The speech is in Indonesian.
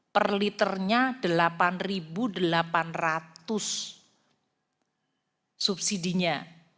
perliternya delapan delapan ratus subsidinya